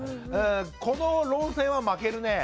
この論戦は負けるね。